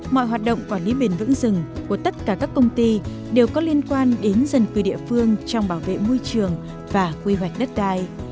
mọi hoạt động quản lý bền vững rừng của tất cả các công ty đều có liên quan đến dân cư địa phương trong bảo vệ môi trường và quy hoạch đất đai